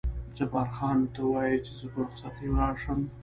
جبار خان: ته وایې چې زه په رخصتۍ ولاړ شم؟